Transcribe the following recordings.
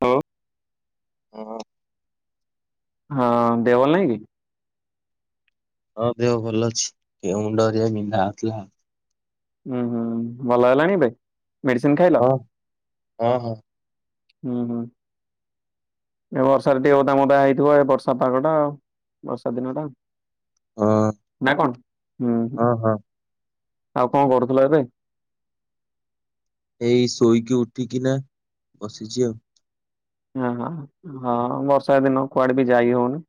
ହ [unintelligible] ହଁ [unintelligible] ହଁ ଦେହ ଭଲ ନାଇଁ କି? ହଁ ଦେହ ଭଲ ଅଛି ଏ ମୁଣ୍ଡ ହେରିଆ ବିନ୍ଧା ହଉଥିଲା ଆଉ। ହୁଁ- ହୁଁ ଭଲ ହେଲାଣି ଏବେ। ମେଡିସିନ ଖାଇଲ ହଁ ହଁ ହଁ ହୁଁ- ହୁଁ। [inaudible] ଏ ବର୍ଷାରେ ଟିକେ ଓଦା ମଦା ହେଇଥିବ ଏ ବର୍ଷା ପାଗଟା ଆଉ ବର୍ଷାଦିନଟା। ହଁ ନା କଣ? ହୁଁ- ହଁ ହୁଁ। ହଁ ଆଉ କଣ କରୁଥିଲ ଏବେ? ଏଇ ଶୋଇକି ଉଠିକିନା ବସିଛି ଆଉ। ହ ହଁ -ହଁ ବର୍ଷା ଦିନ କୁଆଡେ ବି ଯାଇ ହଉନି।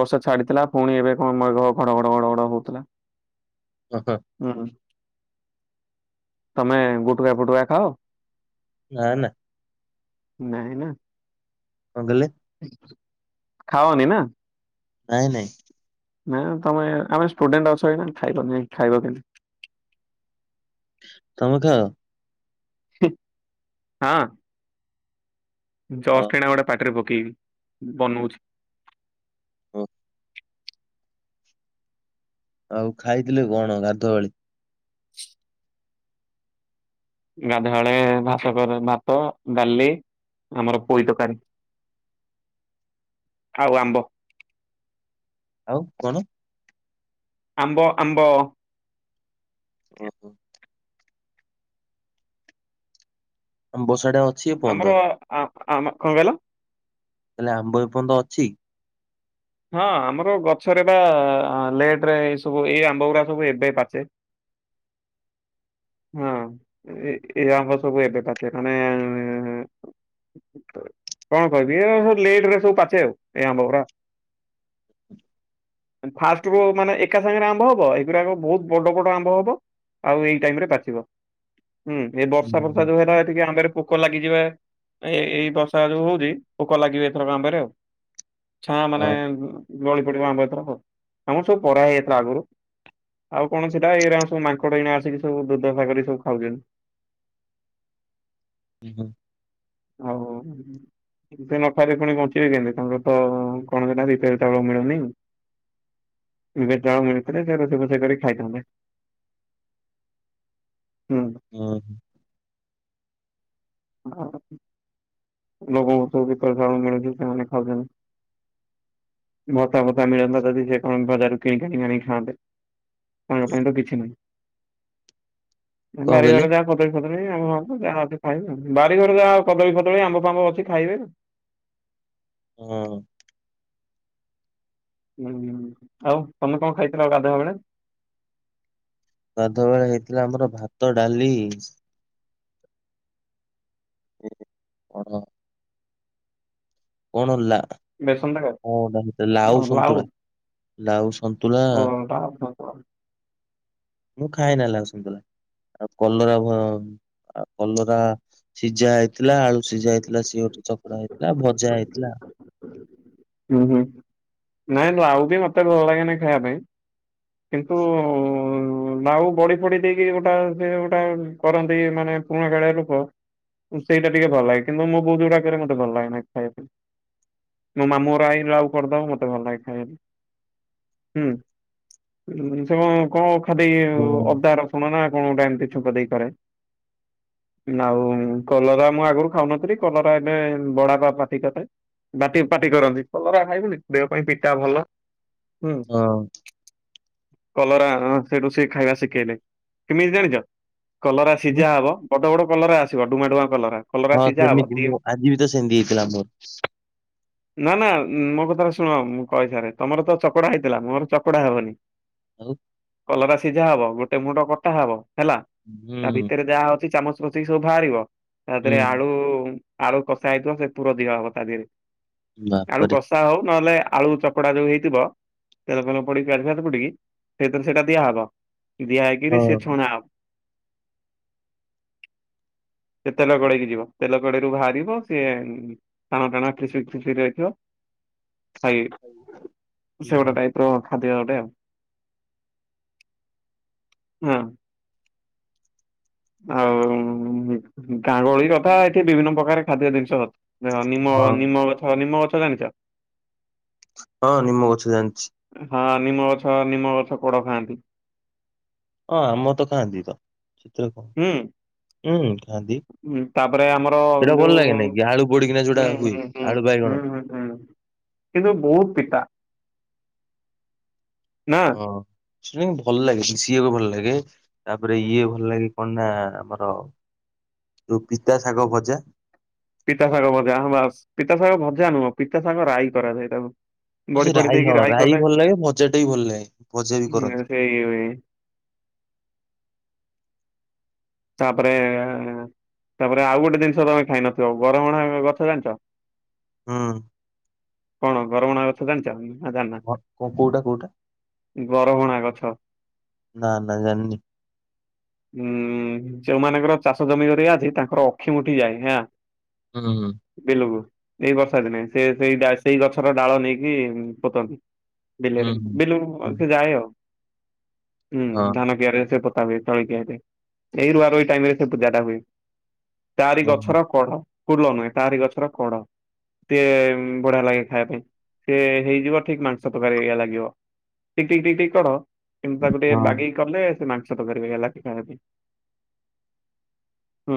ବର୍ଷା ଛାଡ଼ିଥିଲା ପୁଣି ଏବେ କଣ ମଘ ଘଡଘଡ ଘଡଘଡ ହଉଥିଲା? ଓହୋ। ହଁ ତମେ ଗୁଟୁକା ଫୁଟୁକା ଖାଅ? ନା ନା। ନାଇଁ ନା? କଣ କହିଲେ? ଖାଅନି ନା? ନାଇଁ ନାଇଁ। ନାଇଁ ତମେ ଆମେ ଷ୍ଟୁଡେଣ୍ଟ ଅଛ ଖାଇବନି ଖାଇବ କେମତି ତମେ ଖାଅ? ହୁଁ ହଁ। ଜଷ୍ଟ ଏଇନା ଗୋଟେ ପାଟିରେ ପକେଇବି ବନଉଛି। ଓ। ଆଉ ଖାଇଥିଲେ କଣ ଗାଧୁଆବେଳେ? ଗାଧୁଆବେଳେ ଭାତ ଭାତ ଡାଲି ଆମର ପୋଇ ତରକାରୀ। [inaudible] ଆଉ ଆମ୍ବ। ଆଉ କଣ? ଆମ୍ବ ଆମ୍ବ। ଓ। ଆମ୍ବ [unintelligible] ଆମର ଆ ଆମ କଣ କହିଲ? ନା ବ୍ୟକୁଣ୍ଠ ଅଛି। ହଁ ଆମର ଗଛରେ ବା ଲେଟରେ ଏଇ ସବୁ ଏଇ ଆମ୍ବ ଗୁଡା ସବୁ ଏବେ ପାଚେ। [inaudible] ହଁ ଏ ଆମ୍ବ ସବୁ ଏବେ ପାଚେ ମାନେ କଣ କହିବି ଏ ସବୁ ଲେଟରେ ସବୁ ପାଚେ ଆଉ ଏଇ ଆମ୍ବ ଗୁଡ଼ା। ଫାଷ୍ଟରୁ ମାନେ ଏକା ସାଙ୍ଗରେ ଆମ୍ଭ ହବ ଏଇଗୁଡାକ ବହୁତ ବଡ ବଡ ଆମ୍ଭ ହବ। ଆଉ ଏଇ ଟାଇମରେ ପାଚିବ ହୁଁ ଏ ହୁଁ ବର୍ଷା ହୁଁ, ବର୍ଷା ଯୋଉ ହେଲା ଏ ଆମ୍ବରେ ପୋକ ପୋକ ଲାଗିଯିବା ଏ ଏଇ ବର୍ଷା ଯୋଉ ହଉଛି ପୋକ ଲାଗିବ ଏଥର ଆମ୍ବ ରେ ଆଉ ହଁ ମାନେ [unintelligible] ଆମର ସବୁ ପରା ହେଇଯାଇଥିଲା ଆଗରୁ। ଆଉ କଣ ଥିଲା ଏଇରା ସବୁ ମାଙ୍କଡ ଏଇନା ଆସିକି ସବୁ ଦୁର୍ଦ୍ଦଶା କରି ସବୁ ଖାଉଛନ୍ତି। ହୁଁ। ଆଉ ସେ ନ ଖାଇଲେ ପୁଣି ବଞ୍ଚିବେ କେମିତି ତମର ତ କଣ ରିପୋରୀ ଚାଉଳ ମିଲୁନି। [unintelligible] ଚାଉଳ ମିଳିଥିଲେ ସେ ରୋଷେଇ ଫୋଷେଇ କରି ଖାଇଥାନ୍ତେ। ହୁଁ। ହଁ। [unintelligible] ଲୋକଙ୍କୁ ତ ବିପିଏଲ ମିଳୁଛି ସେମାନେ ଖାଉଛନ୍ତି। ଭତା ଫତା ମିଳନ୍ତା ଯଦି ସେ କଣ ବଜାରରୁ କିଣିକି କିଣିଆଣିକି ଖାଆନ୍ତେ। ତାଙ୍କ ପାଇଁ ତ କିଛି ନାହିଁ କଣ କହିଲେ? ବାରିଘରେ ଯାହା କଦଳୀ ଫଦଳି ଆମ୍ବ ଯାହା ଅଛି ଖାଇବେ ବାରି ଘର ଯାହା କଦଳୀ ଫଦଳୀ ଆମ୍ବ ଫାମ୍ବ ଅଛି ଖାଇବେ। ହଁ। ହୁଁ ଆଉ ତମେ କଣ ଖାଇଥିଲ ଗାଧୁଆ ବେଳେ? ଗାଧୁଆ ବେଳେ ହେଇଥିଲା ଆମର ଭାତ ଡାଲି [unintelligible] କଣ ହେଲା ବେସନ ତରକାରୀ [unintelligible] ଲାଉ ସନ୍ତୁଳା। ଲାଉ ସନ୍ତୁଳା। ଓ ଲାଉ। ମୁଁ ଖାଇ ନଲେ ଆସନ୍ତୁଲା ଆଉ କଲରା। ଆଉ କଲରା ସିଝା ହେଇଥିଲା ଆଳୁ ସିଝା ହେଇଥିଲା ସିଏଟେ ଚକଡା ହେଇଥିଲା ଭଜା ହେଇଥିଲା। ହୁଁ ହୁଁ ନାଇଁ ଲାଉ ବି ମୋତେ ଭଲ ଲାଗେନିଁ ଖାଇବା ପାଇଁ। କିନ୍ତୁ ଲାଉ ବଡି ଫଡି ଦେଇକି ଗୋଟା ସେ ଗୋଟେ କରନ୍ତି ମାନେ ପୁରୁଣା କାଳିଆ ଲୂପ ସେଇଟା ଟିକେ ଭଲାଗେ କିନ୍ତୁ ମ ବହୁତ ଗୁଡାକରେ ମତେଲ ଲାଗେ ଖାଇ ପାଇଁ। ମୋ ମାମୁ ର ଆଇ ଆଉ କରିଦବ ମତେ ଭଲ ଲାଗେ ଖାଇିବା ପାଇଁ। ହୁଁ ସେ କଣ ଖାଦ ହଁ ଅଦାର ଶୁଣ ନା କଣ ଗୋଟା ଏମିତି ଛପ ଦେଇ କରେ। ଆଉ କଲରା ମୁଁ ଆଗରୁ ଖାଉନଥିଲି କଲରା ଏବେ ବଡା ବା ପାତିିକଥାେ। ବାଟି ପାଟି କରନ୍ତି କଲରା ଖାଇବୁନି ଦେହ ପାଇଁ ପିଟା ଭଲ ହୁଁ ହଁ କଲରା ସେଇଠୁ ସେ ଖାଇବା ଶିଖେଇଲେ କେମିତି ଜାଣିଛ। କଲରା ସିଝା ହବ ବଡ ବଡ କଲରା ଆସିବ ଡୁଆଁଡୁ କଲରା କଲରା ହଁ ସିଝା ହବ ସେମିତି ଦି ମୁଁ ଆଜି ବି ତ ସେମିତି ହେଇଥିଲା ମୋର ନା ନା ମୋ କଥାଟା ଶୁଣ ମୁଁ କହିସାରେ ତମର ତ ଚକଡା ହେଇଥିଲା ମୋର ଚକଡା ହେବନି। ଆଉ କଲରା ସିଝା ହବ ଗୋଟେ ମୁଣ୍ଡ କଟା ହବ ହେଲା ହୁଁ ତା ଭିତରେ ଯାହା ଅଉଛି ଚାମଚ ସବୁ ବାହାରିବ ତା ହୁଁ ଦେହରେ ଆଳୁ ଆଳୁ କଷା ହେଇଥିବ ସେ ପୁର ଦିହ ହବ ତା ଦେହରେ ଆଳୁ ବାପରେ କଷା ହଉ ନହେଲେ ଆଳୁ ଚକଡା ଯୋଉ ହେଇଥିବ। ତେଲ ତେଲ ପଡିାତ ପଡିକି ସେଇଥିରେ ସେଇଟା ଦିଆହବ ଦିଆହଇକିରି ସି ହଁ ଛଣା ହବ। ସେ ତେଲ ଗଡେଇକି ଯିବ ତେଲ ଗଡେଇରୁ ବାହାରିବ ସିଏ ଟାଣ ଟାଣି ରି ରଖିବ ଖାଇ ହୁଁ ସେ ଗୋଟେ ହୁଁ। ଟାଇ ଖାଦ୍ୟାଟେ ଆଉ। ଆଉ ଗାଙ୍ଗୁଳି କଥା ଏଠି ବିଭିନ୍ନ ପ୍ରକାର ଖାଦ୍ୟ ଜିନିଷ ଅଥା ନିମ ହଁ ନିମ୍ମ ଗଛ ନିମ ଗଛ ଜାଣିଛ? ହଁ ନିମ ଗଛ ଜାଣିଛି। ହଁ ନିମ ଗଛ ନିମ ଗଛ କୋଡ ଖାଆନ୍ତି। ହଁ ଆମ ତ ଖାଆନ୍ତି ତ ଚିତ୍ରରେ କଣ ହୁଁ ହୁଁ ଗାଧୀ। ହଁ ତାପରେ ଆମର ଯୋଉ ଆଳୁ ପୋଡିକିନା ଯୋଉଟା ହ ହୁଏ ହଁ ଆଳୁ ବାଇଗଣ। ହୁଁ ହୁଁ ହୁଁ। କିନ୍ତୁ ବହୁତ ପିଠା ନା ହଁ ଭଲ ଲାଗେ ମିଶିବାକୁ ଭଲ ଲାଗେ। ତାପରେ ଇଏ ଭଲ ଲାଗେ କଣ ନା ଆମର ଯୋଉ ପିତା ଶାଗ ଭଜା। ପିତା ସାଗ ଭଜା ବା ପିତା ସାଗ ଭଜା ନୁହଁ ପିତା ସାଙ୍ଗ ରାଇ କରାଯାଏ ତାକୁ। ଆ ବଡି ସେ ଫଡି ରାାଇ ଦେଇକି ହଁ ରାଇ କଲେ ଭଲ ଲାଗେ ଭଜା ଟା ବି ଭଲ ଲାଗେ ଭଜା ବି କରନ୍ତି। ହୁଁ, ସେଇ [unintelligible] ତାପରେ ତାପରେ ଆଉ ଗୋଟେ ଜିନିଷ ତମେ ଖାଇନଥିବ ଗରଭାଣ ଗଛ ଜାଣିଛ? ହୁଁ। କଣ ଘରମଣା କଥା ଜାଣିଛ? ନାଁ ଜାଣିବା କ କୋଉଟା କୋଉଟା ବରହଣା ଗଛ? ନା ନା ଜାଣିନି ହୁଁ। ଯୋଉମାନଙ୍କର ଚାଷ ଜମି କରିରିଆ ଅଛି ତାଙ୍କର ଅକ୍ଷିମ ଠିଯାଏ ହେଁ। ହଁ ହଁ। ବିଲକୁ ଏଇ ବର୍ଷା ଦିନେ ସେ ସେଇ ସେଇ ଗଛର ଡାଳ ନେଇକି ପୋତନ୍ତି। ହୁଁ ବିଲରେ ବିଲୁ ହୁଁ। ସେ ଯା ଆଉ। ହୁଁ ହଁ ଧାନ କିଆରୀ ସେ ପତା ହୁଏ ସେ ତଳି କିଆରିରେ। ସେଇ ରୁଆ ରୋଇ ଟାଇମ ରେ ସେ ପୂଜା ଟା ହୁଏ ତାରି ହଁ ଗଛର କଢ। ଫୁଲ ନୁହେଁ ତାରି ଗଛର କଢ଼। ସିଏ ବଢିଆ ଲାଗେ ଖାଇବା ପାଇଁ ସିଏ ହେଇଯିବ ଠିକ ମାଂସ ତରକାରି ଭଳିଆ ଲାଗିବ। ଟିକି ଟିକ ଟିକ କର କିନ୍ତୁ ତାକୁ ଟିକେ ହଁ ବାଗେଇ କଲେ ସେ ମାଂସ ତରକାରି ଲାଗେ। ହୁଁ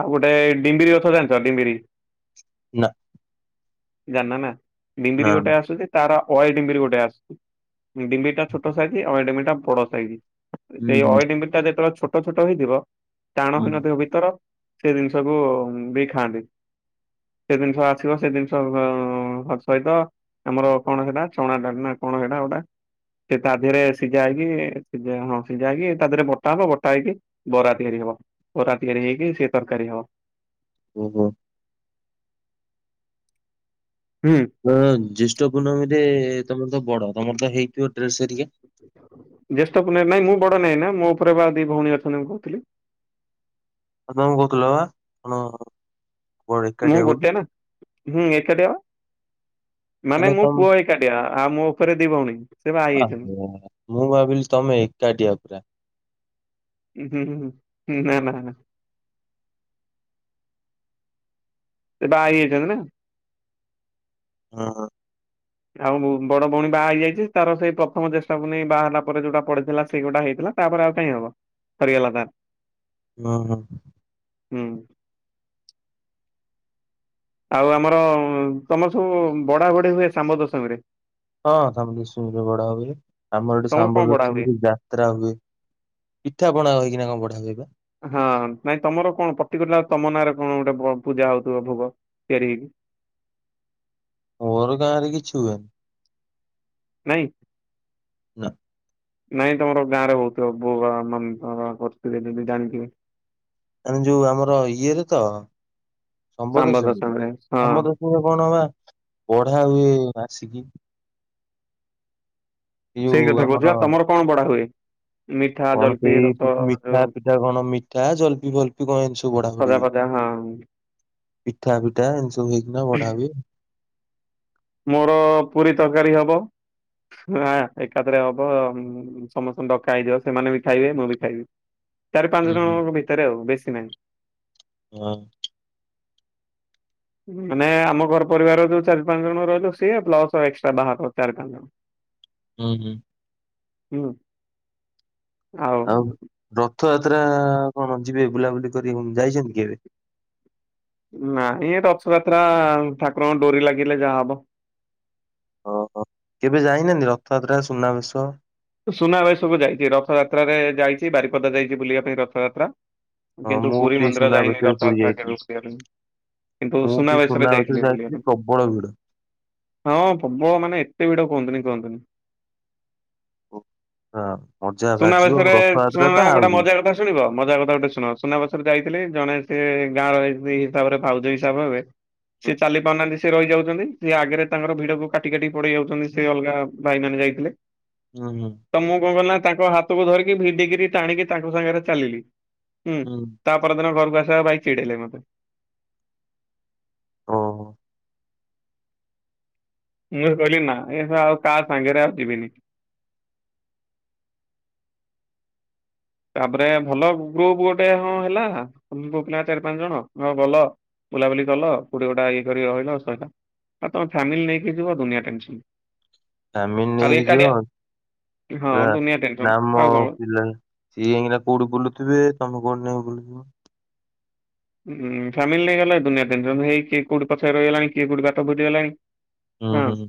ଆଉ ଗୋଟେ ଡିମ୍ବିରି ଅଥ ଜାଣିଛ ଡିମ୍ବିରି। ନା। ଜାନା ନା ନା ଡିମ୍ବିରି ଗୋଟେ ନା ଆସୁଛି ତାର ଅଏ ଡିମ୍ବିରି ଗୋଟେ ଆସୁଛି। ଡିମ୍ଡିି ଟା ଛୋଟ ସାଇଜ ଅ ଡିମ୍ଟା ବଡ ସାଇଜ ହୁଁ ହୁଁ ସେଇ ଡିମ୍ଡି। ଟା ଯେତେବେଳେ ଛୋଟ ଛୋଟ ହେଇଥିବ ଟାଣ ହୁଁ। ହେଇନଥିବ ଭିତର। ସେ ଜିନିଷ କୁ ବି ଖାଆନ୍ତି। ସେ ଜିନିଷ ଆସିବ ସେ ଜିନିଷ ସହିତ। ଆମର କଣ ସେଇଟା ଚଣା ଡା ନା କଣ ସେଇଟା ଗୋଟା ସେ ତା ଦେହରେ ସିଝା ହେଇକି ସି ହଁ ସିଝା ହେଇକି ତା ଦେହରେ ତାପ ବଟା ହେଇକି ବରା ତିଆରି ହବ ବରା ତିଆରି ହେଇକି ସେ ତରକାରୀ ହବ। ଓହୋ। ହୁଁ। ହ ଜ୍ୟେଷ୍ଠ ପୂର୍ଣ୍ଣମୀ ରେ ତମର ତ ବଡ ତମର ତ ହେଇଥିବ ଡ୍ରେସରିକା। ଜ୍ୟେଷ୍ଠ ପୁନେଇ ନାଇଁ ମୁଁ ବଡ ନାହିଁ ନା ମୋ ଉପରେ ବା ଦି ଭଉଣୀ ଅଛନ୍ତି ମୁଁ କହୁଥିଲି। ଆ ତମେ କହୁଥିଲ ବା କଣ। ବଡ ମୁଁ ଏକାଟିଆ ବୋଲି ଗୋଟେ ନା ହୁଁ ଏକାଟିଆ ବା ମାନେ ମଁ ପୁଅ ହେଇ ଏକାଟିଆ ଆଉ ମୋ ଉପରେ ଦି ଭଉଣୀ। ସେ ବା ହେଇ ଯାଇଛନ୍ତି ଓହୋ ମୁଁ ଭାବିଲି ତମେ ଏକାଠିଆ ପୁରା। ହୁଁ ହୁଁ ନା ନା। ସେ ବାହାହେଇ ଯଇଛନ୍ତି ନା। ହଁ ହଁ। ଆଉ ବୋଉ ବଡ ଭଉଣୀ ବାହା ହେଇଯାଇଛି ତାର ସେଇ ପ୍ରଥମ ଜେଷ୍ଟ ପୁନେଇଁ ବାହାହେଲା ପରେ ଯୋଉଟା ପଡିଥିଲା ସେଇ ଗୋଟା ହେଇଥିଲା। ତାପରେ ଆଉ କାହିଁ ହବ ସରିଗଲା ତାର। ହଁ ହଁ। ହୁଁ। ଆଉ ଆମର ତମର ସବୁ ବଢା ବଢି ହୁଏ ଶମ୍ବ ଦଶମୀରେ। ହଁ ଶବଲକ୍ମୀରେ ବଡା ହୁଏ ଆମର ଏୋଠି ତମର କଣ ବଢା ହୁଏ? ସାମ୍ବଲଷ୍ମୀ ଯାତ୍ରା ହୁଏ। ପିଠା ପଣା ହେଇଚି ନା କଣ ବଢିଆ ହୁଏ। ହଁ ନାଇଁ ତମର କଣ ପ୍ରତିକିଲ ତମ ନାଁରେ କଣ ଗୋଟେ ପୂଜା ହଉଥିବ ଭୋଗ ତିଆରି ହେଇକି। ମୋର ଗାଁ ରେ କିଛି ହୁଏନି। ନାଇଁ। ନା। ନାଇଁ ତମର ଗାଁ ରେ ହଉଥିବ ବଉ ମମି ମାନେ କରିଥିବେ ଜାଣିିଥିବେ ଆମେ ଯୋଉ ଆମର ଇଏରେ ତ ସମ୍ବଦ ଶାମ୍ବ ସେମି ଦଶମୀରେ ହଁ ଆମର ଉପରୁ କଣ ବା ପଢା ହୁଏ ଆସିକି ଏ ସେଇ ୟୁ କଥା କହୁଛି ଆମର ବା ତମର କଣ ପଢା ହୁଏ। ମିଠା କଣ ଜଲପି ସେଇ ରସ ମିଠା ଯୋଉ ପିଠା କଣ ମିଠା ଜଲ୍ପି ଫଲ୍ପି କଣ ଏମିତି ସବୁ ବଢା ହୁଏ। ବଢି ଖଜା ଫଯା ହଁଉଁ। ପିଠା ପିଠା ଏମିତି ସବୁ ହେଇକିନା ବଢା ହୁଏ। ମୋର ପୁରୀ ତରକାରୀ ହବ। ହଁ ଏକାଥରେ ହବ ସମସ୍ତଙ୍କୁ ଡକା ହେଇଯିବ ସେମାନେ ବି ଖାଇବେ ମୁଁ ବି ଖାଇବି। ଚାରି ହୁଁ ପାଞ୍ଚ ହୁଁ ଜଣଙ୍କ ଭିତରେ ବେଶୀ ନାହିଁ। ହଁ। ମାନେ ଆମ ଘର ପରିବାର ଯୋଉ ଚାରି ପାଞ୍ଚ ଜଣ ରହିଲୁ ସେ ପ୍ଲସ୍ ଏକ୍ସଟ୍ରା ବାହାର ଚାରି ପାଞ୍ଚ ଜଣ। ହୁଁ ହୁଁ। ହୁଁ। ଆଉ ରଥଯାତ୍ରା କଣ ଯିବେ ବୁଲାବୁଲି କରିବାକୁ ଯାଇଛନ୍ତି କେବେ। ନାଁ ଏ ରଥଯାତ୍ରା ଠାକୁରଙ୍କ ଡୋରି ଲାଗିଲେ ଯାହା ହବ। ଓ ହୋ କେବେ ଯାଇନାହାନ୍ତି ରଥଯାତ୍ରା ସୁନାବେଶ। ସୁନାବେଶକୁ ଯାଇଛି ରଥଯାତ୍ରାରେ ଯାଇଛି ବାରିପଦା ଯାଇଛି ବୁଲିବା ପାଇଁ ରଥଯାତ୍ରା। ହଁ କିନ୍ତୁ ମୁଁ ପୁରୀ ବି ମନ୍ଦିର ଯାଇନି ସୁନାବେଶରେ ପୁରୀ ରଥଯାତ୍ରା ଯାଇଥିଲି କାଳୁ ବୁଲିବା ପାଇଁ। କିନ୍ତୁ ମୁଁ ବି ସୁନାବେଶରେ ଯାଇଥିଲି ବୁଲିବା ପାଇଁ। ପ୍ରବଳ ଭିଡ। ହଁ ପ୍ରବଳ ମାନେ ଏତେ ଭିଡ କୁହନ୍ତୁନି କୁହନ୍ତୁନି। ଓ, ହଁ ଅଜା। ସୁନାବେଶରେ ଶୁଣୁନା ଗୋଟେ ମଜା କଥା। ଶୁଣିବ ମଜା କଥା ଗୋଟେ ଶୁଣ ସୁନାବେଶରେ ଯାଇଥିଲି ଜଣେ ସେ ଗାଁର ହିସାବରେ ଭାଉଜ ହିସାବ ହେବେ। ହୁଁ ସେ ଚାଲି ପାରୁନାହାନ୍ତି ସେ ରହିଯାଉଛନ୍ତି ସେ ଆଗରେ ତାଙ୍କର ଭିଡକୁ କାଟି କାଟି ପଡେଇ ଯାଉଛନ୍ତି ସେ ଅଲଗା। ଭାଇମାନେ ଯାଇଥିଲେ। ହୁଁ ହୁଁ। ତ ମୁଁ କଣ କଲି ନା ତାଙ୍କ ହାତକୁ ଧରିକି ଭିଡିିକିରି ଟାଣିକି ତାଙ୍କ ସାଙ୍ଗରେ ଚାଲିଲି ହୁଁ। ହୁଁ। ତା ପରଦିନ ଘରକୁ ଆସିବା ଭାଇ ଚିଡ଼େଇଲେ ମତେ। ଓ ହୋ। ମୁଁ କହିଲି ନା ଏ ଶଳା ଆଉ କାହା ସାଙ୍ଗରେ ଆଉ ଯିବିନି। ତାପରେ ଭଲ ଗ୍ରୁପ ଗୋଟେ ହଁ ହେଲା ପୁଅ ପିଲା ଚାରି ପାଞ୍ଚ ଜଣ ହଁ ଗଲ। ବୁଲାବୁଲି କଲ କୋଉଟି ଗୋଟା ଇଏ କରି ରହିଲ ସଇଲା। ଆଉ ତମ ଫ୍ୟାମିଲି ନେଇକି ଯିବ ଦୁନିଆ ଟେନସନ। ଫ୍ୟାମିନ ଆଉ ନେଇକି ଏକାଟିଆ ଯିବ ହଁ ପୁରା ଦୁନିଆ ଟେନସନ ନାମ ଆଉ କଣ ପିଲା। ସିଏ ଯାଇକିନା କୋଉଠି ବୁଲଥିବେ ତମେ କୋଉଠି ଯାଇ ବୁଲଥିବ। ହୁଁ ଫ୍ୟାମିଲି ନେଇ ଗଲେ ଦୁନିଆ ଟେନସନ ହେଇ କିଏ କୋଉଠି ପଛରେ ରହିଗଲାଣି କିଏ କୋଉଠି ବାଟ ଭୁଲିଗଲାଣି। ଉଁ ହଁ ହୁଁ ହୁଁ।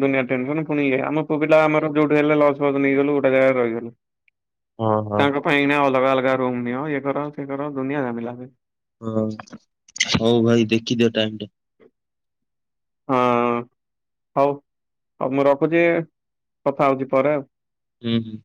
ଦୁନିଆ ଟେନସନ ପୁଣି ଇଏ ଆମ ପୁଅ ପିଲା ଆମର ଯୋଉଠୁ ହେଲେ ଲଜ ଫଜ ନେଇଗଲୁ ଗୋଟା ଜାଗାରେ ରହିଗଲୁ। ହଁ ହଁ। ତାଙ୍କ ଏଇନା ଅଲଗା ଅଲଗା ରୁମ ନିଅ ଏ କର ସେ କର ଦୁନିଆ ଝାମେଲା। ହଁ ହଉ ଭାଇ ଦେଖିଦିଅ ଟାଇମଟା। [inaudible] ହଁ ହଉ ହଉ ମୁଁ ରଖୁଛି କଥା ହଉଛି ପରେ ଆଉ। ଉଁ ହୁଁ।